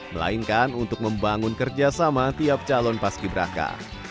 melainkan untuk membangun kerjasama tiap calon paski beraka